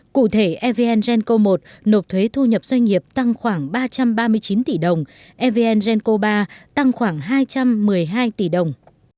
cụ thể evn genco một nộp thuế thu nhập doanh nghiệp tăng khoảng ba trăm ba mươi chín tỷ đồng evn genco ba tăng khoảng hai trăm một mươi hai tỷ đồng